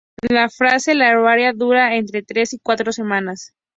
La fase larvaria dura entre tres y cuatro semanas.